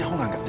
aku gak ngerti